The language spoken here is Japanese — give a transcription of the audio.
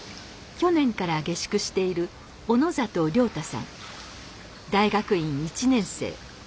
去年から下宿している大学院１年生。